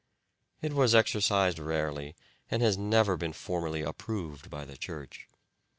It was exercised rarely and has never been formally approved by the Church.